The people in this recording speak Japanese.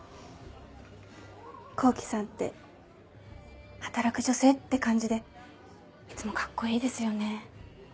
洸稀さんって働く女性って感じでいつもカッコいいですよね。